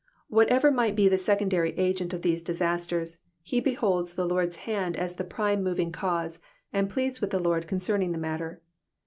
Whoever might be tne secondary agent of these disasters, he beholds the Lord^s hand as the prime moving cause, and pleads with the Lord concerning the matter.